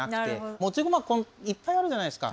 持ち駒いっぱいあるじゃないですか。